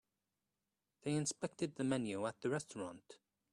They inspected the menu at the restaurant.